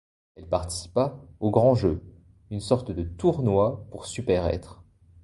Elle participa au Grand Jeu, une sorte de tournoi pour super-êtres.